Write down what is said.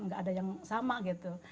nggak ada yang sama gitu